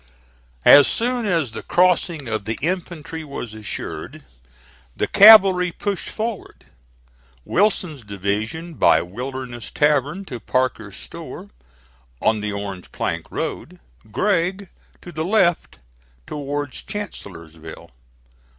As soon as the crossing of the infantry was assured, the cavalry pushed forward, Wilson's division by Wilderness Tavern to Parker's store, on the Orange Plank Road; Gregg to the left towards Chancellorsville.